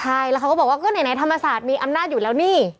ใช่แล้วเขาก็บอกว่าก็ไหนธรรมศาสตร์มีอำนาจอยู่แล้วนี่